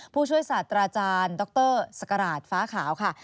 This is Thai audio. ผู้ช่วยศาสตราจารย์ดรสกราชฟ้าขาวค่ะ